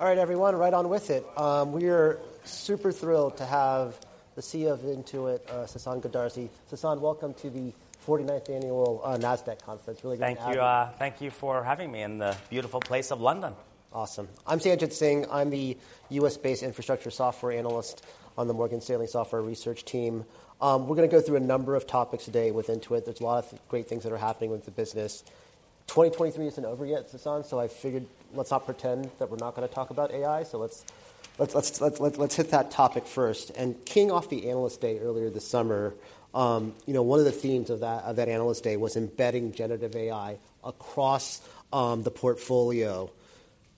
All right, everyone, right on with it. We are super thrilled to have the CEO of Intuit, Sasan Goodarzi. Sasan, welcome to the 49th annual Nasdaq conference. Really great to have you. Thank you. Thank you for having me in the beautiful place of London. Awesome. I'm Sanjit Singh. I'm the U.S.-based infrastructure software analyst on the Morgan Stanley software research team. We're gonna go through a number of topics today with Intuit. There's a lot of great things that are happening with the business. 2023 isn't over yet, Sasan, so I figured let's not pretend that we're not gonna talk about AI. So let's hit that topic first. And keying off the Analyst Day earlier this summer, you know, one of the themes of that Analyst Day was embedding generative AI across the portfolio.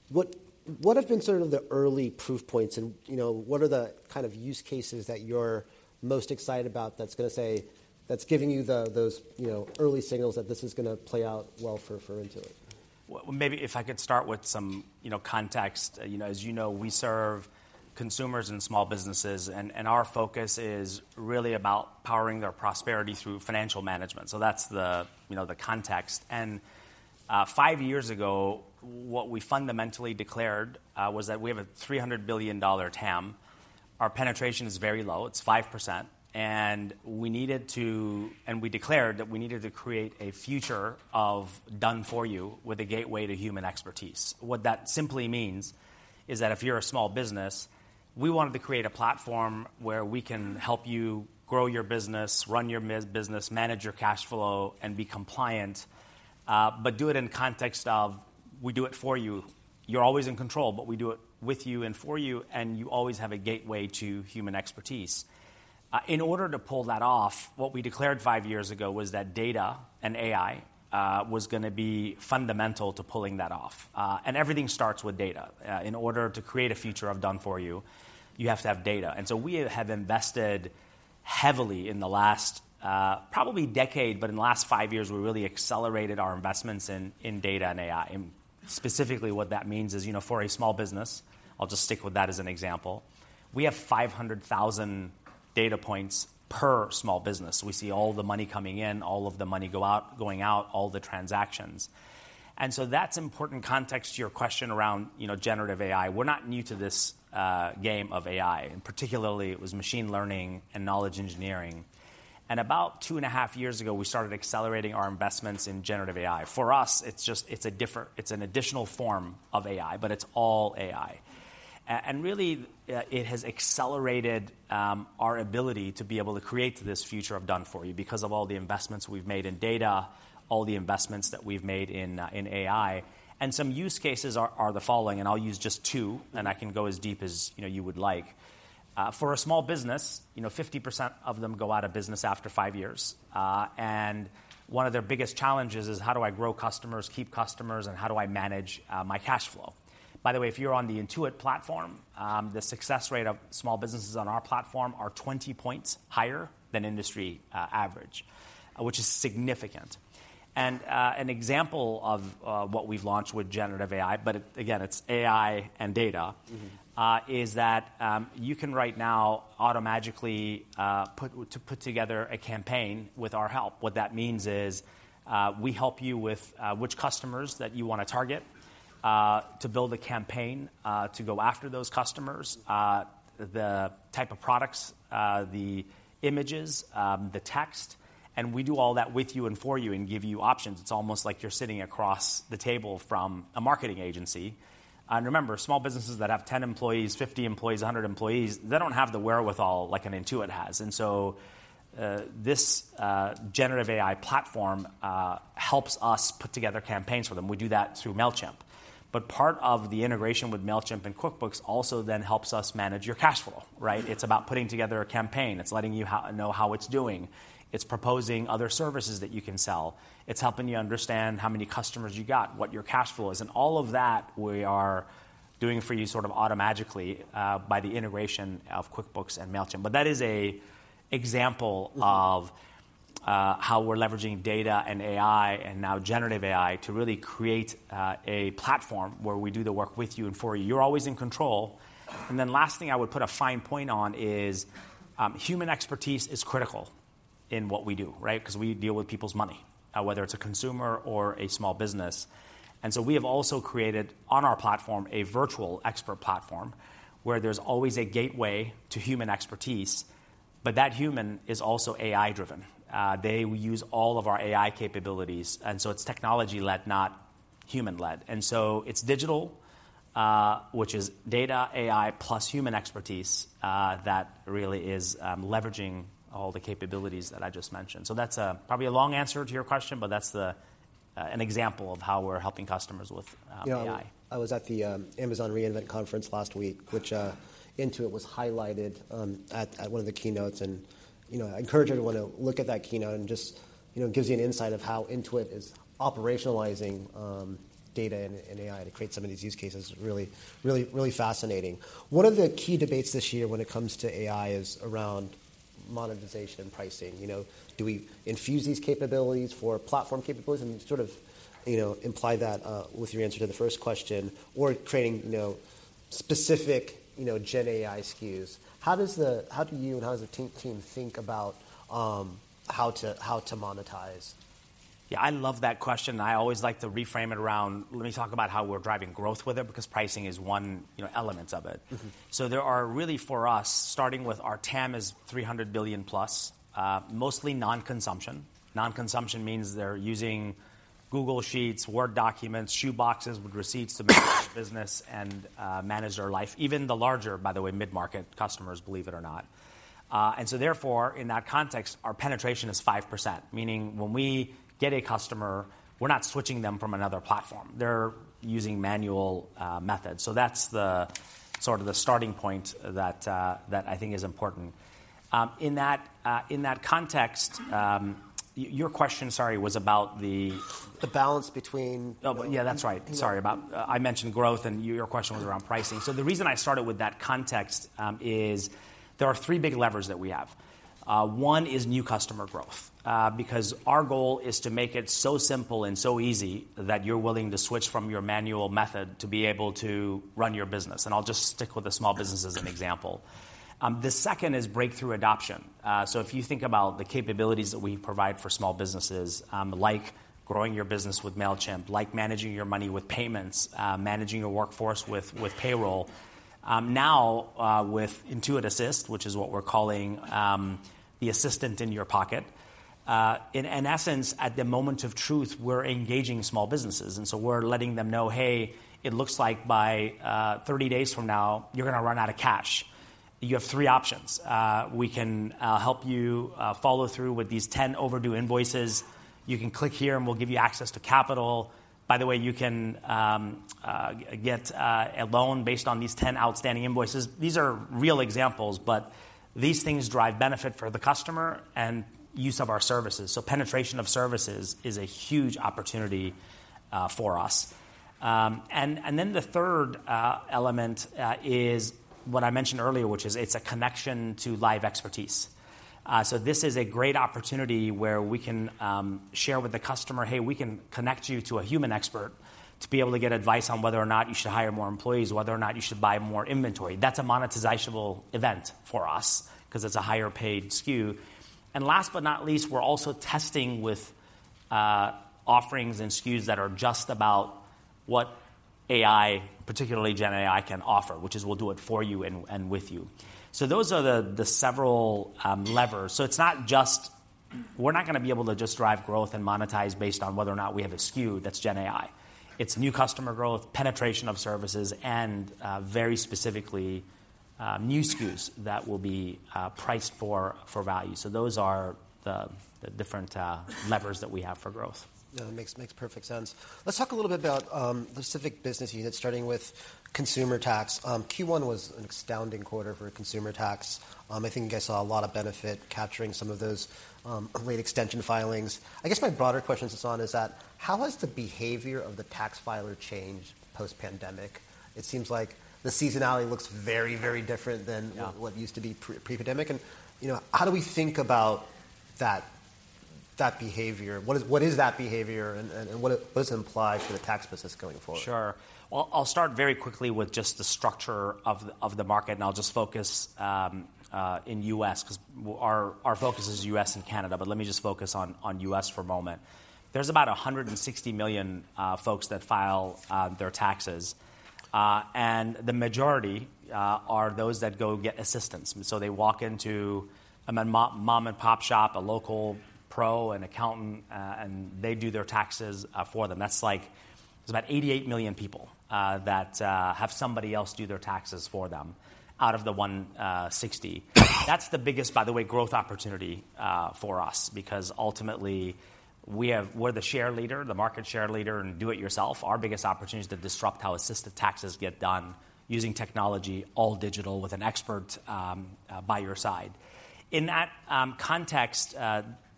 What have been sort of the early proof points, and, you know, what are the kind of use cases that you're most excited about that's giving you the, those, you know, early signals that this is gonna play out well for Intuit? Well, maybe if I could start with some, you know, context. You know, as you know, we serve consumers and small businesses, and our focus is really about powering their prosperity through financial management. So that's the, you know, the context. And five years ago, what we fundamentally declared was that we have a $300 billion TAM. Our penetration is very low, it's 5%, and we needed to—and we declared that we needed to create a future of done for you with a gateway to human expertise. What that simply means is that if you're a small business, we wanted to create a platform where we can help you grow your business, run your business, manage your cash flow, and be compliant, but do it in context of we do it for you. You're always in control, but we do it with you and for you, and you always have a gateway to human expertise. In order to pull that off, what we declared five years ago was that data and AI was gonna be fundamental to pulling that off. And everything starts with data. In order to create a future of done for you, you have to have data. And so we have invested heavily in the last, probably decade, but in the last five years, we really accelerated our investments in data and AI. And specifically, what that means is, you know, for a small business, I'll just stick with that as an example, we have 500,000 data points per small business. We see all the money coming in, all of the money going out, all the transactions. And so that's important context to your question around, you know, generative AI. We're not new to this, game of AI, and particularly it was machine learning and knowledge engineering. And about 2.5 years ago, we started accelerating our investments in generative AI. For us, it's just... it's an additional form of AI, but it's all AI. And really, it has accelerated our ability to be able to create this future of done for you because of all the investments we've made in data, all the investments that we've made in AI. And some use cases are the following, and I'll use just two, and I can go as deep as, you know, you would like. For a small business, you know, 50% of them go out of business after five years. One of their biggest challenges is, how do I grow customers, keep customers, and how do I manage my cash flow? By the way, if you're on the Intuit platform, the success rate of small businesses on our platform are 20 points higher than industry average, which is significant. An example of what we've launched with generative AI, but again, it's AI and data- Mm-hmm. You can right now automagically put together a campaign with our help. What that means is, we help you with which customers that you want to target to build a campaign to go after those customers, the type of products, the images, the text, and we do all that with you and for you and give you options. It's almost like you're sitting across the table from a marketing agency. And remember, small businesses that have 10 employees, 50 employees, 100 employees, they don't have the wherewithal like an Intuit has. And so, this generative AI platform helps us put together campaigns for them. We do that through Mailchimp. But part of the integration with Mailchimp and QuickBooks also then helps us manage your cash flow, right? It's about putting together a campaign. It's letting you know how it's doing. It's proposing other services that you can sell. It's helping you understand how many customers you got, what your cash flow is, and all of that we are doing for you sort of automagically by the integration of QuickBooks and Mailchimp. But that is an example of- Mm-hmm. How we're leveraging data and AI and now generative AI to really create a platform where we do the work with you and for you. You're always in control. And then last thing I would put a fine point on is human expertise is critical in what we do, right? Because we deal with people's money, whether it's a consumer or a small business. And so we have also created on our platform a virtual expert platform, where there's always a gateway to human expertise, but that human is also AI driven. We use all of our AI capabilities, and so it's technology-led, not human-led. And so it's digital, which is data, AI, plus human expertise, that really is leveraging all the capabilities that I just mentioned. So that's probably a long answer to your question, but that's an example of how we're helping customers with AI. Yeah. I was at the Amazon re:Invent conference last week, which Intuit was highlighted at one of the keynotes, and, you know, I encourage everyone to look at that keynote and just... You know, it gives you an insight of how Intuit is operationalizing data and AI to create some of these use cases. Really, really, really fascinating. One of the key debates this year when it comes to AI is around monetization and pricing. You know, do we infuse these capabilities for platform capabilities and sort of, you know, imply that with your answer to the first question or creating, you know, specific, you know, GenAI SKUs? How does the—how do you and how does the team think about how to monetize?... Yeah, I love that question. I always like to reframe it around, let me talk about how we're driving growth with it, because pricing is one, you know, elements of it. Mm-hmm. So there are really, for us, starting with our TAM is $300 billion+, mostly non-consumption. Non-consumption means they're using Google Sheets, Word documents, shoe boxes with receipts to make business and manage their life. Even the larger, by the way, mid-market customers, believe it or not. And so therefore, in that context, our penetration is 5%, meaning when we get a customer, we're not switching them from another platform. They're using manual methods. So that's the sort of the starting point that I think is important. In that context, your question, sorry, was about the- The balance between- Oh, yeah, that's right. Yeah. I mentioned growth, and your question was around pricing. So the reason I started with that context is there are three big levers that we have. One is new customer growth, because our goal is to make it so simple and so easy that you're willing to switch from your manual method to be able to run your business, and I'll just stick with the small business as an example. The second is breakthrough adoption. So if you think about the capabilities that we provide for small businesses, like growing your business with Mailchimp, like managing your money with payments, managing your workforce with payroll. Now, with Intuit Assist, which is what we're calling, the assistant in your pocket, in essence, at the moment of truth, we're engaging small businesses, and so we're letting them know, "Hey, it looks like by 30 days from now, you're gonna run out of cash. You have three options. We can help you follow through with these 10 overdue invoices. You can click here, and we'll give you access to capital. By the way, you can get a loan based on these 10 outstanding invoices." These are real examples, but these things drive benefit for the customer and use of our services. So penetration of services is a huge opportunity, for us. And then the third element is what I mentioned earlier, which is it's a connection to live expertise. So this is a great opportunity where we can share with the customer, "Hey, we can connect you to a human expert to be able to get advice on whether or not you should hire more employees, whether or not you should buy more inventory." That's a monetizable event for us 'cause it's a higher paid SKU. And last but not least, we're also testing with offerings and SKUs that are just about what AI, particularly GenAI, can offer, which is we'll do it for you and with you. So those are the several levers. So it's not just. We're not gonna be able to just drive growth and monetize based on whether or not we have a SKU that's GenAI. It's new customer growth, penetration of services, and very specifically new SKUs that will be priced for value. So those are the different levers that we have for growth. Yeah, it makes perfect sense. Let's talk a little bit about the specific business units, starting with Consumer Tax. Q1 was an astounding quarter for Consumer Tax. I think you guys saw a lot of benefit capturing some of those late extension filings. I guess my broader question, Sasan, is that, how has the behavior of the tax filer changed post-pandemic? It seems like the seasonality looks very, very different than- Yeah... what used to be pre-pandemic. You know, how do we think about that, that behavior? What is, what is that behavior, and, and what does it imply for the tax business going forward? Sure. Well, I'll start very quickly with just the structure of the market, and I'll just focus in U.S., 'cause our focus is U.S. and Canada, but let me just focus on U.S. for a moment. There's about 160 million folks that file their taxes, and the majority are those that go get assistance. So they walk into a mom-and-pop shop, a local pro, an accountant, and they do their taxes for them. That's like... There's about 88 million people that have somebody else do their taxes for them out of the 160. That's the biggest, by the way, growth opportunity for us because ultimately we're the share leader, the market share leader in do-it-yourself. Our biggest opportunity is to disrupt how assisted taxes get done using technology, all digital, with an expert by your side. In that context,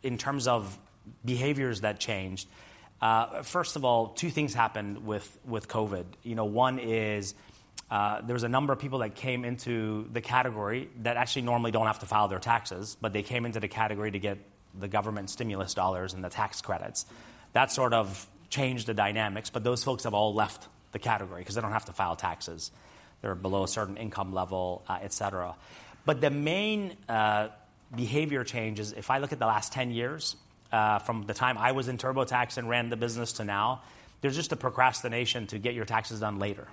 in terms of behaviors that changed, first of all, two things happened with COVID. You know, one is there was a number of people that came into the category that actually normally don't have to file their taxes, but they came into the category to get the government stimulus dollars and the tax credits. That sort of changed the dynamics, but those folks have all left the category 'cause they don't have to file taxes. They're below a certain income level, et cetera. The main behavior change is, if I look at the last 10 years, from the time I was in TurboTax and ran the business to now, there's just a procrastination to get your taxes done later.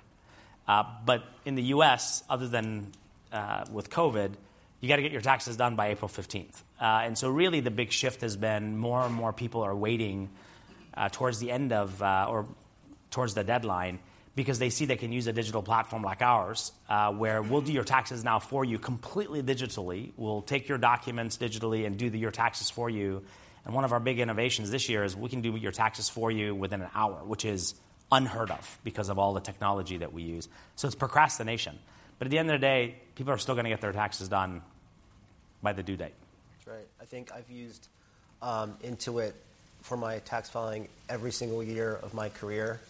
But in the U.S., other than with COVID, you gotta get your taxes done by April fifteenth. And so really the big shift has been more and more people are waiting towards the end of or towards the deadline because they see they can use a digital platform like ours, where we'll do your taxes now for you completely digitally. We'll take your documents digitally and do your taxes for you, and one of our big innovations this year is we can do your taxes for you within an hour, which is unheard of because of all the technology that we use. It's procrastination, but at the end of the day, people are still gonna get their taxes done by the due date. That's right. I think I've used Intuit for my tax filing every single year of my career.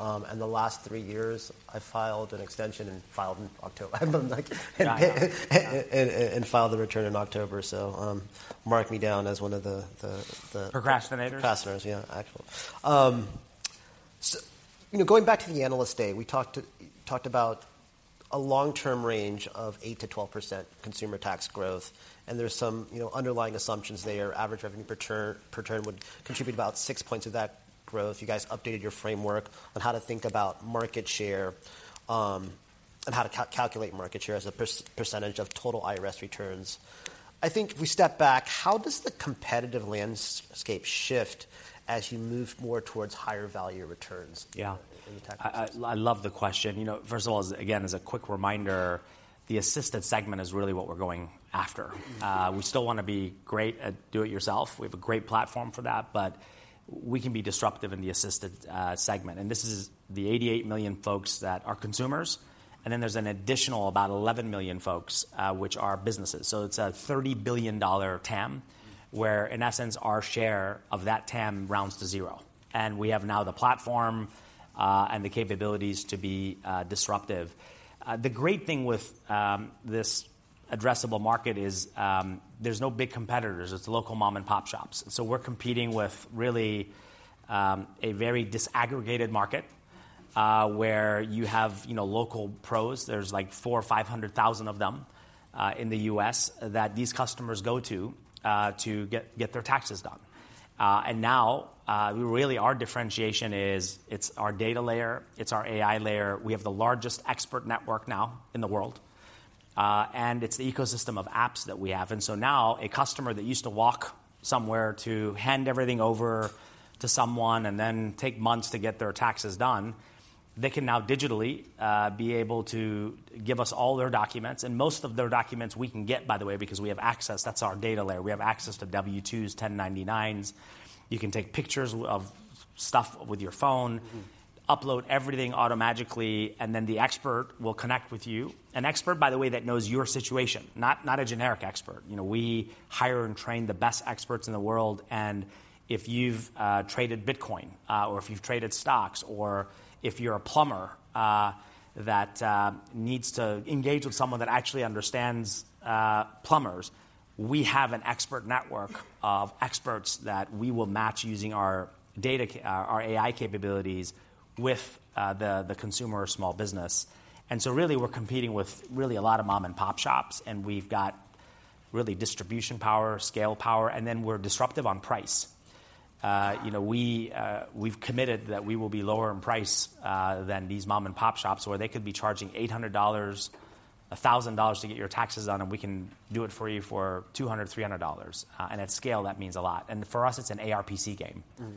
And the last three years, I've filed an extension and filed in October, and filed the return in October. So, mark me down as one of the- Procrastinators? procrastinators, yeah, actually. You know, going back to the Analyst Day, we talked to, talked about a long-term range of 8%-12% Consumer Tax growth, and there's some, you know, underlying assumptions there. Average revenue per return, per return would contribute about six points of that growth. You guys updated your framework on how to think about market share, and how to calculate market share as a percentage of total IRS returns. I think if we step back, how does the competitive landscape shift as you move more towards higher value returns? Yeah. In the tax? I love the question. You know, first of all, as again, as a quick reminder, the assisted segment is really what we're going after. Mm-hmm. We still wanna be great at do-it-yourself. We have a great platform for that, but we can be disruptive in the assisted segment. And this is the 88 million folks that are consumers, and then there's an additional about 11 million folks, which are businesses. So it's a $30 billion TAM, where, in essence, our share of that TAM rounds to zero, and we have now the platform and the capabilities to be disruptive. The great thing with this addressable market is, there's no big competitors. It's local mom-and-pop shops. So we're competing with really a very disaggregated market, where you have, you know, local pros. There's, like, 400,000 or 500,000 of them in the U.S., that these customers go to to get their taxes done. And now, we really, our differentiation is, it's our data layer, it's our AI layer. We have the largest expert network now in the world, and it's the ecosystem of apps that we have. And so now, a customer that used to walk somewhere to hand everything over to someone and then take months to get their taxes done, they can now digitally be able to give us all their documents, and most of their documents we can get, by the way, because we have access. That's our data layer. We have access to W-2s, 1099s. You can take pictures of stuff with your phone. Mm-hmm ... upload everything automagically, and then the expert will connect with you. An expert, by the way, that knows your situation, not a generic expert. You know, we hire and train the best experts in the world, and if you've traded Bitcoin or if you've traded stocks, or if you're a plumber that needs to engage with someone that actually understands plumbers, we have an expert network of experts that we will match using our AI capabilities with the consumer or small business. And so really, we're competing with really a lot of mom-and-pop shops, and we've got really distribution power, scale power, and then we're disruptive on price. You know, we've committed that we will be lower in price than these mom-and-pop shops, where they could be charging $800, $1,000 to get your taxes done, and we can do it for you for $200, $300. And at scale, that means a lot. And for us, it's an ARPC game- Mm-hmm...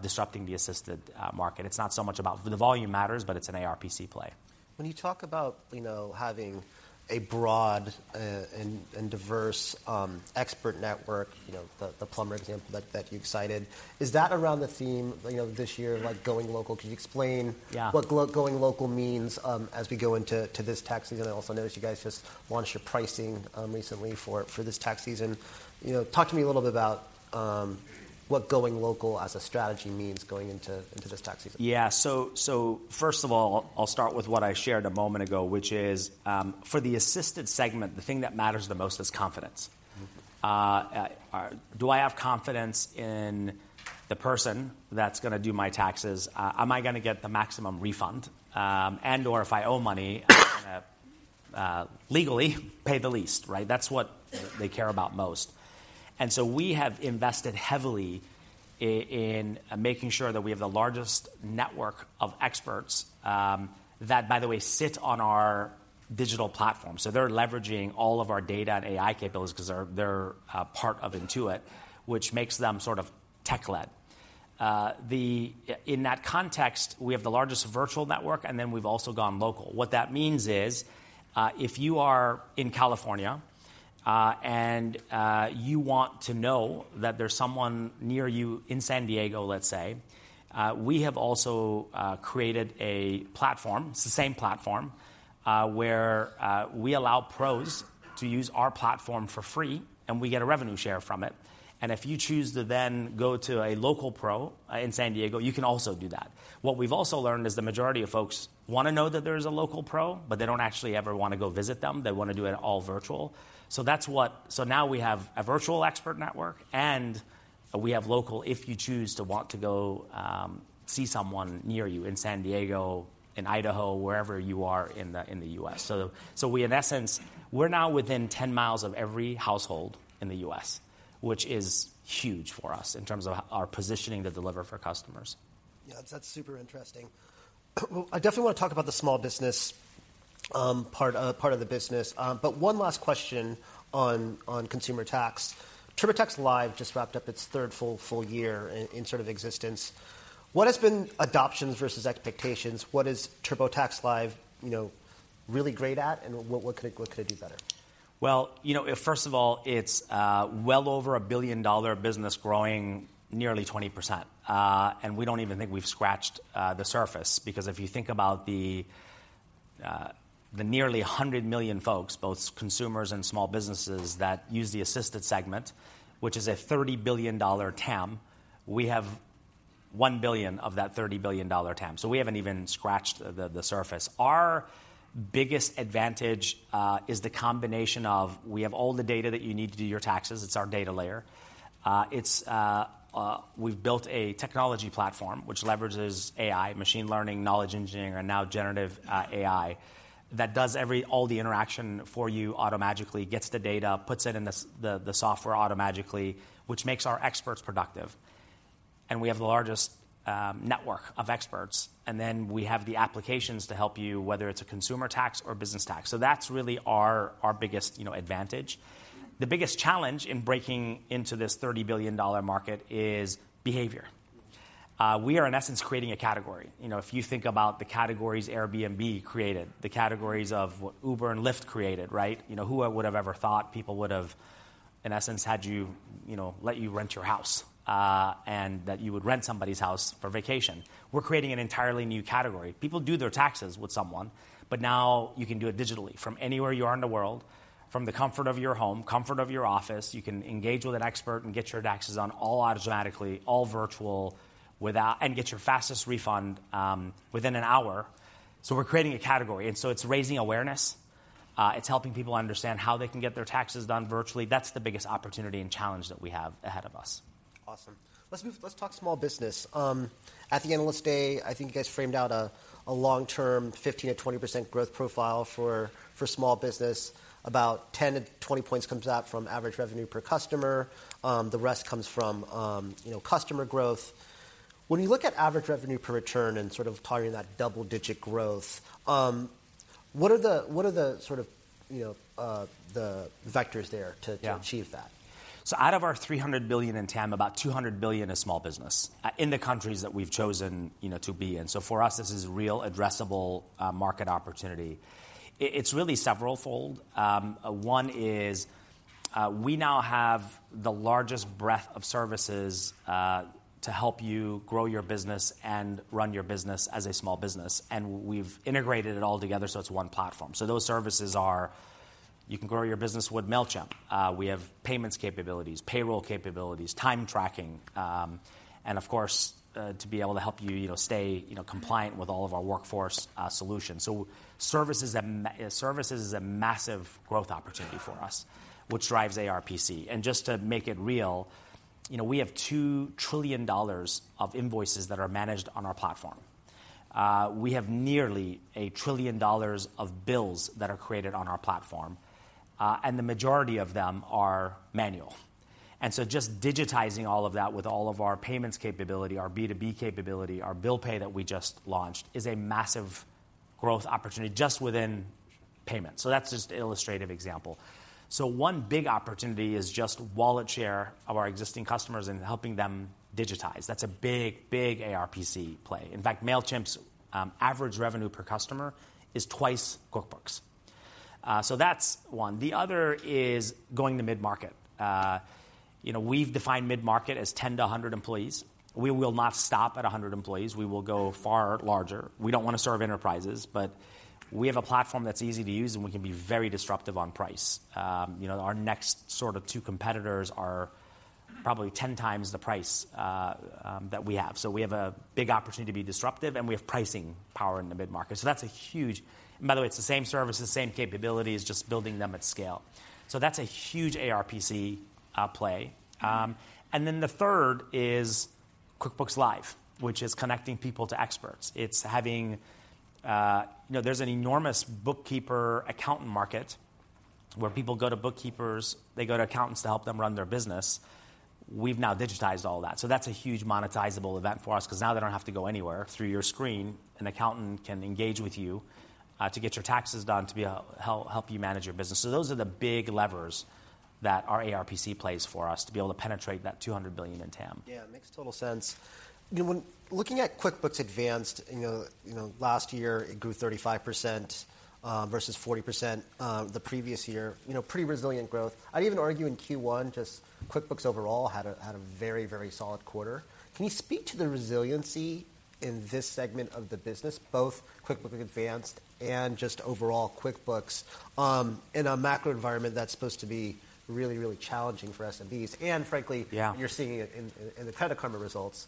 disrupting the assisted market. It's not so much about... The volume matters, but it's an ARPC play. When you talk about, you know, having a broad and diverse expert network, you know, the plumber example that you cited, is that around the theme, you know, this year, like, going local? Can you explain- Yeah... what going local means, as we go into this tax season? I also noticed you guys just launched your pricing recently for this tax season. You know, talk to me a little bit about what going local as a strategy means going into this tax season. Yeah. So, so first of all, I'll start with what I shared a moment ago, which is, for the assisted segment, the thing that matters the most is confidence. Mm-hmm. Do I have confidence in the person that's gonna do my taxes? Am I gonna get the maximum refund? And/or if I owe money, legally pay the least, right? That's what they care about most. And so we have invested heavily in making sure that we have the largest network of experts, by the way, sit on our digital platform. So they're leveraging all of our data and AI capabilities because they're part of Intuit, which makes them sort of tech-led. In that context, we have the largest virtual network, and then we've also gone local. What that means is, if you are in California and you want to know that there's someone near you in San Diego, let's say, we have also created a platform, it's the same platform, where we allow pros to use our platform for free, and we get a revenue share from it. And if you choose to then go to a local pro in San Diego, you can also do that. What we've also learned is the majority of folks wanna know that there's a local pro, but they don't actually ever wanna go visit them. They wanna do it all virtual. So that's what. So now we have a virtual expert network, and we have local, if you choose to want to go, see someone near you in San Diego, in Idaho, wherever you are in the US. So we, in essence, we're now within 10 miles of every household in the U.S., which is huge for us in terms of our positioning to deliver for customers. Yeah, that's super interesting. Well, I definitely want to talk about the small business part of the business. But one last question on Consumer Tax. TurboTax Live just wrapped up its third full-year in sort of existence. What has been adoptions versus expectations? What is TurboTax Live, you know, really great at, and what could it do better? Well, you know, first of all, it's well over a billion-dollar business growing nearly 20%. And we don't even think we've scratched the surface because if you think about the nearly 100 million folks, both consumers and small businesses, that use the assisted segment, which is a $30 billion TAM, we have $1 billion of that $30 billion TAM, so we haven't even scratched the surface. Our biggest advantage is the combination of we have all the data that you need to do your taxes, it's our data layer. We've built a technology platform which leverages AI, machine learning, knowledge engineering, and now generative AI, that does all the interaction for you automatically, gets the data, puts it in the software automatically, which makes our experts productive. We have the largest network of experts, and then we have the applications to help you, whether it's a Consumer Tax or business tax. That's really our, our biggest, you know, advantage. The biggest challenge in breaking into this $30 billion market is behavior. We are, in essence, creating a category. You know, if you think about the categories Airbnb created, the categories of what Uber and Lyft created, right? You know, who would have ever thought people would have, in essence, had you, you know, let you rent your house, and that you would rent somebody's house for vacation? We're creating an entirely new category. People do their taxes with someone, but now you can do it digitally from anywhere you are in the world, from the comfort of your home, comfort of your office. You can engage with an expert and get your taxes on all automatically, all virtual, without... And get your fastest refund within an hour. So we're creating a category, and so it's raising awareness. It's helping people understand how they can get their taxes done virtually. That's the biggest opportunity and challenge that we have ahead of us. Awesome. Let's move, let's talk small business. At the Analyst Day, I think you guys framed out a long-term 15%-20% growth profile for small business. About 10-20 points comes out from average revenue per customer, the rest comes from, you know, customer growth. When you look at average revenue per return and sort of targeting that double-digit growth, what are the sort of, you know, the vectors there to- Yeah. to achieve that? So out of our $300 billion in TAM, about $200 billion is small business, in the countries that we've chosen, you know, to be in. So for us, this is real addressable market opportunity. It's really severalfold. One is, we now have the largest breadth of services to help you grow your business and run your business as a small business, and we've integrated it all together, so it's one platform. So those services are, you can grow your business with Mailchimp. We have payments capabilities, payroll capabilities, time tracking, and of course, to be able to help you, you know, stay, you know, compliant with all of our workforce solutions. So services is a massive growth opportunity for us, which drives ARPC. And just to make it real, you know, we have $2 trillion of invoices that are managed on our platform. We have nearly $1 trillion of bills that are created on our platform, and the majority of them are manual. So just digitizing all of that with all of our payments capability, our B2B capability, our bill pay that we just launched, is a massive growth opportunity just within payments. So that's just an illustrative example. So one big opportunity is just wallet share of our existing customers and helping them digitize. That's a big, big ARPC play. In fact, Mailchimp's average revenue per customer is twice QuickBooks. So that's one. The other is going to mid-market. You know, we've defined mid-market as 10-100 employees. We will not stop at 100 employees. We will go far larger. We don't want to serve enterprises, but we have a platform that's easy to use, and we can be very disruptive on price. You know, our next sort of 2 competitors are probably 10 times the price that we have. So we have a big opportunity to be disruptive, and we have pricing power in the mid-market. So that's a huge... And by the way, it's the same services, the same capabilities, just building them at scale. So that's a huge ARPC play. And then the third is QuickBooks Live, which is connecting people to experts. It's having... You know, there's an enormous bookkeeper-accountant market, where people go to bookkeepers, they go to accountants to help them run their business. We've now digitized all that, so that's a huge monetizable event for us 'cause now they don't have to go anywhere. Through your screen, an accountant can engage with you to get your taxes done, to help you manage your business. So those are the big levers that our ARPC plays for us to be able to penetrate that $200 billion in TAM. Yeah, makes total sense. You know, when looking at QuickBooks Advanced, you know, you know, last year it grew 35%, versus 40%, the previous year. You know, pretty resilient growth. I'd even argue in Q1, just QuickBooks overall had a very, very solid quarter. Can you speak to the resiliency in this segment of the business, both QuickBooks Advanced and just overall QuickBooks, in a macro environment that's supposed to be really, really challenging for SMBs, and frankly- Yeah. - you're seeing it in the Credit Karma results.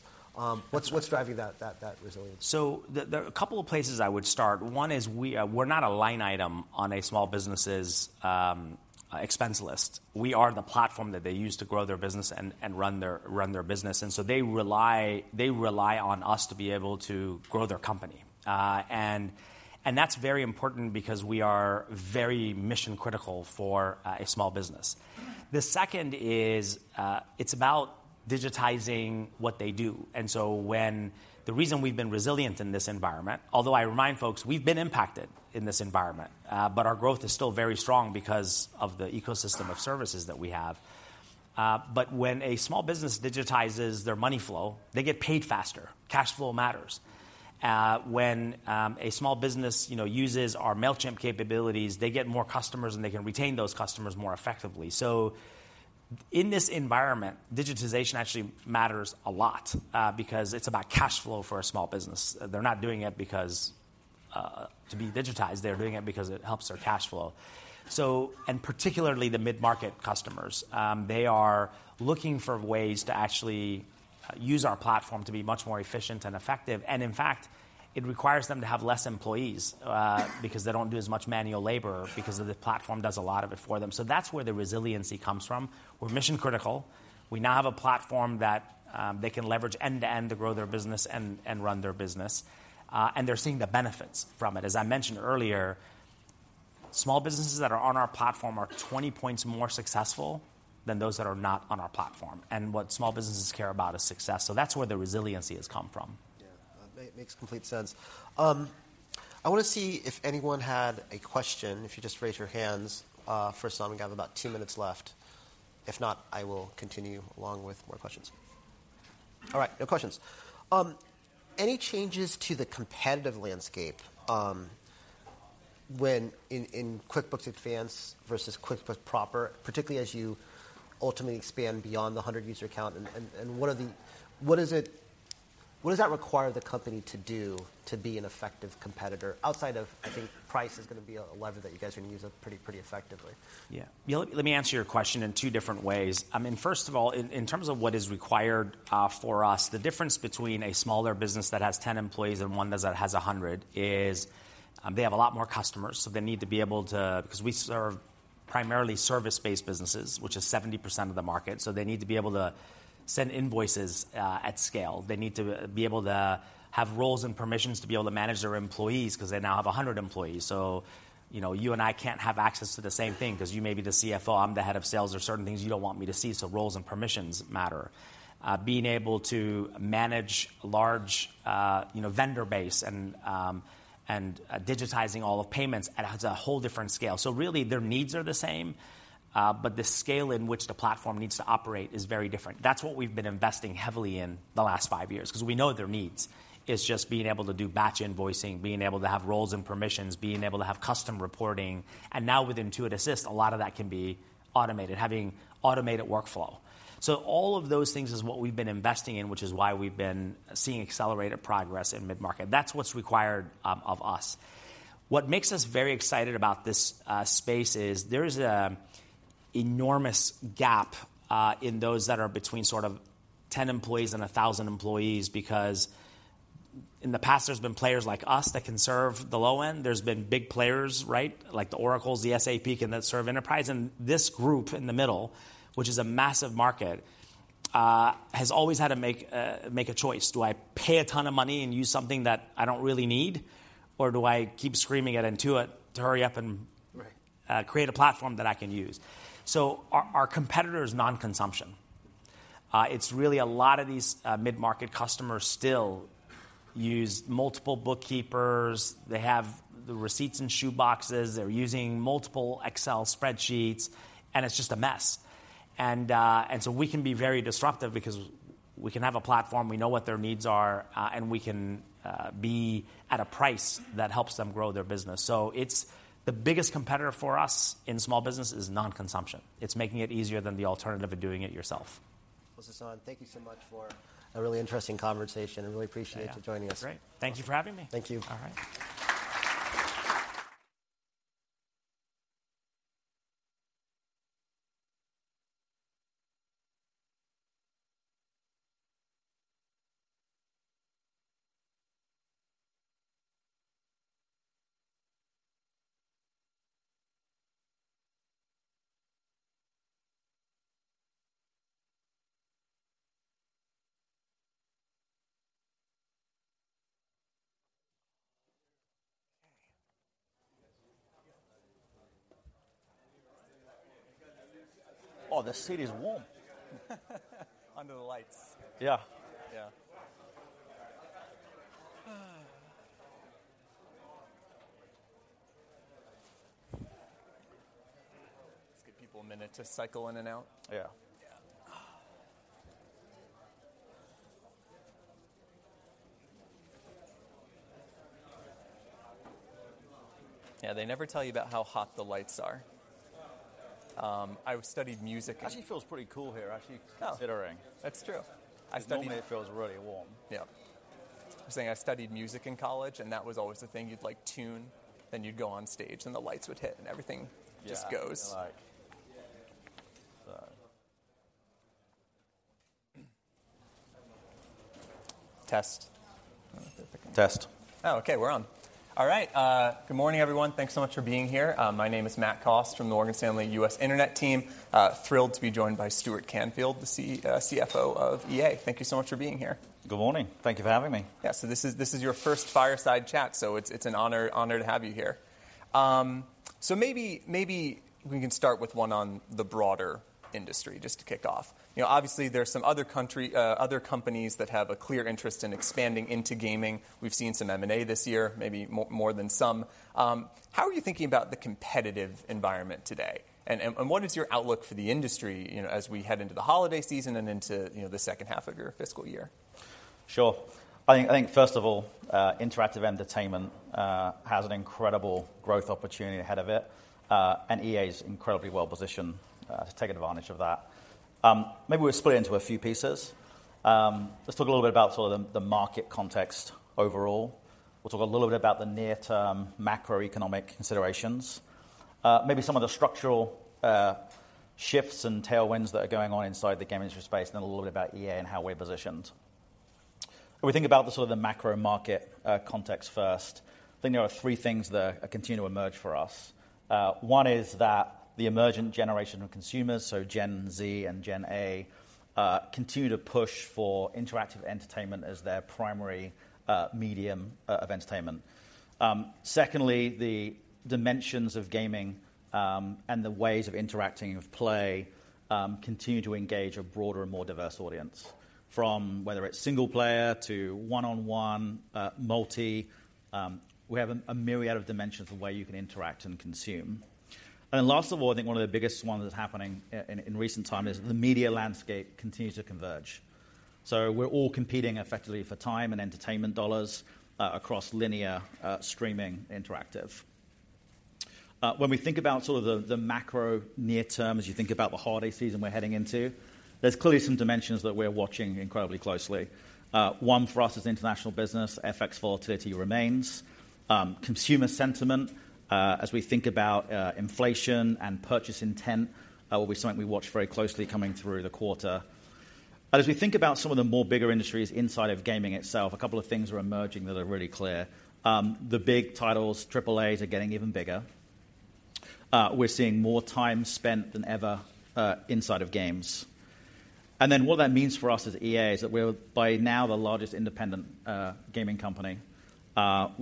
What's driving that resilience? So there are a couple of places I would start. One is we’re not a line item on a small business’s expense list. We are the platform that they use to grow their business and run their business, and so they rely on us to be able to grow their company. And that’s very important because we are very mission-critical for a small business. The second is, it’s about digitizing what they do, and so. The reason we’ve been resilient in this environment, although I remind folks, we’ve been impacted in this environment, but our growth is still very strong because of the ecosystem of services that we have. But when a small business digitizes their money flow, they get paid faster. Cash flow matters. When a small business, you know, uses our Mailchimp capabilities, they get more customers, and they can retain those customers more effectively. So in this environment, digitization actually matters a lot, because it's about cash flow for a small business. They're not doing it to be digitized. They're doing it because it helps their cash flow. So, and particularly the mid-market customers, they are looking for ways to actually use our platform to be much more efficient and effective. And in fact, it requires them to have less employees, because they don't do as much manual labor because of the platform does a lot of it for them. So that's where the resiliency comes from. We're mission critical. We now have a platform that they can leverage end-to-end to grow their business and run their business, and they're seeing the benefits from it. As I mentioned earlier, small businesses that are on our platform are 20 points more successful than those that are not on our platform. And what small businesses care about is success. So that's where the resiliency has come from. Yeah, makes complete sense. I want to see if anyone had a question. If you just raise your hands, first time, we have about two minutes left. If not, I will continue along with more questions. All right, no questions. Any changes to the competitive landscape, when in QuickBooks Advanced versus QuickBooks proper, particularly as you ultimately expand beyond the 100 user account, and what does that require the company to do to be an effective competitor? Outside of, I think price is going to be a lever that you guys are going to use pretty effectively. Yeah. Let me answer your question in two different ways. I mean, first of all, in terms of what is required for us, the difference between a smaller business that has 10 employees and one that has 100 is, they have a lot more customers, so they need to be able to, because we serve primarily service-based businesses, which is 70% of the market, so they need to be able to send invoices at scale. They need to be able to have roles and permissions to be able to manage their employees because they now have 100 employees. So, you know, you and I can't have access to the same thing because you may be the CFO, I'm the head of sales. There are certain things you don't want me to see, so roles and permissions matter. Being able to manage large, you know, vendor base and digitizing all of payments, it has a whole different scale. So really, their needs are the same, but the scale in which the platform needs to operate is very different. That's what we've been investing heavily in the last five years, because we know their needs. It's just being able to do batch invoicing, being able to have roles and permissions, being able to have custom reporting, and now with Intuit Assist, a lot of that can be automated, having automated workflow. So all of those things is what we've been investing in, which is why we've been seeing accelerated progress in mid-market. That's what's required of us. What makes us very excited about this space is there is an enormous gap in those that are between sort of 10 employees and 1,000 employees, because in the past, there's been players like us that can serve the low end. There's been big players, right? Like the Oracle, the SAP, that serve enterprise. And this group in the middle, which is a massive market, has always had to make a, make a choice: Do I pay a ton of money and use something that I don't really need, or do I keep screaming at Intuit to hurry up and- Right. create a platform that I can use? So our, our competitor is non-consumption. It's really a lot of these mid-market customers still use multiple bookkeepers. They have the receipts in shoe boxes, they're using multiple Excel spreadsheets, and it's just a mess. And so we can be very disruptive because we can have a platform, we know what their needs are, and we can be at a price that helps them grow their business. So it's the biggest competitor for us in small business is non-consumption. It's making it easier than the alternative of doing it yourself. Well, Sasan, thank you so much for a really interesting conversation. I really appreciate- Yeah. you joining us. Great. Thank you for having me. Thank you. All right. Oh, the seat is warm. Under the lights. Yeah. Yeah. Let's give people a minute to cycle in and out. Yeah. Yeah. Yeah, they never tell you about how hot the lights are. I studied music- Actually, it feels pretty cool here, actually. Oh! -considering. That's true. I studied- Normally, it feels really warm. Yeah. I'm saying I studied music in college, and that was always the thing. You'd like tune, then you'd go on stage, and the lights would hit, and everything just goes. Yeah, like... Uh, test. Test. Oh, okay, we're on. All right, good morning, everyone. Thanks so much for being here. My name is Matt Cost from the Morgan Stanley U.S. Internet Team. Thrilled to be joined by Stuart Canfield, the CFO of EA. Thank you so much for being here. Good morning. Thank you for having me. Yeah. So this is your first fireside chat, so it's an honor to have you here. So maybe we can start with one on the broader industry, just to kick off. You know, obviously, there are some other companies that have a clear interest in expanding into gaming. We've seen some M&A this year, maybe more than some. How are you thinking about the competitive environment today? And what is your outlook for the industry, you know, as we head into the holiday season and into, you know, the second half of your fiscal year? Sure. I think, I think, first of all, interactive entertainment has an incredible growth opportunity ahead of it, and EA is incredibly well-positioned to take advantage of that. Maybe we'll split it into a few pieces. Let's talk a little bit about sort of the market context overall. We'll talk a little bit about the near-term macroeconomic considerations, maybe some of the structural shifts and tailwinds that are going on inside the gaming industry space, and a little bit about EA and how we're positioned. If we think about the sort of macro market context first, I think there are three things that continue to emerge for us. One is that the emergent generation of consumers, so Gen Z and Gen A, continue to push for interactive entertainment as their primary medium of entertainment. Secondly, the dimensions of gaming, and the ways of interacting of play, continue to engage a broader and more diverse audience. From whether it's single player to one-on-one, multi, we have a myriad of dimensions of where you can interact and consume. And then last of all, I think one of the biggest ones that's happening in recent time is the media landscape continues to converge. So we're all competing effectively for time and entertainment dollars, across linear, streaming interactive. When we think about sort of the macro near term, as you think about the holiday season we're heading into, there's clearly some dimensions that we're watching incredibly closely. One for us as international business, FX volatility remains. Consumer sentiment, as we think about inflation and purchase intent, will be something we watch very closely coming through the quarter. As we think about some of the more bigger industries inside of gaming itself, a couple of things are emerging that are really clear. The big titles, AAA, are getting even bigger. We're seeing more time spent than ever inside of games. Then what that means for us as EA is that we're by now the largest independent gaming company with-